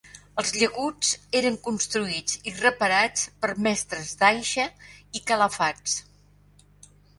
Els llaguts eren construïts i reparats per mestres d'aixa i calafats.